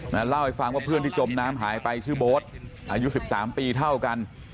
เล่าให้ฟังว่าเพื่อนที่จมน้ำหายไปชื่อโบ๊ทอายุ๑๓ปีเท่ากัน